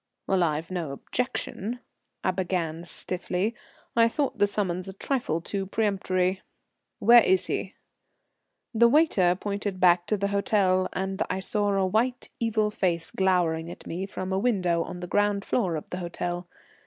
"Well, I've no objection," I began, stiffly. I thought the summons a trifle too peremptory. "Where is he?" The waiter pointed back to the hotel, and I saw a white, evil face glowering at me from a window on the ground floor of the hotel.